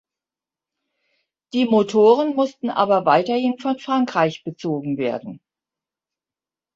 Die Motoren mussten aber weiterhin von Frankreich bezogen werden.